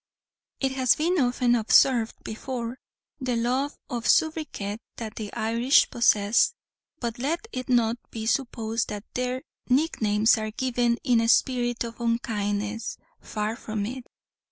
It has been often observed before, the love of soubriquet that the Irish possess; but let it not be supposed that their nicknames are given in a spirit of unkindness far from it.